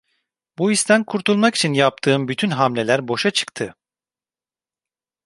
Bu histen kurtulmak için yaptığım bütün hamleler boşa çıktı.